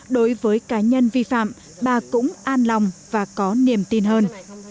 đối với cá nhân vi phạm bà cũng an lòng và có niềm tin hơn